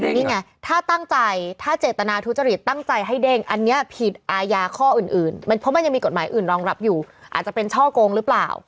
นี่ไงถ้าตั้งใจถ้าเจตนาทุจริตตั้งใจให้เด้งอันนี้ผิดอาญาข้ออื่นเพราะมันยังมีกฎหมายอื่นรองรับอยู่อาจจะเป็นช่อกงหรือเปล่า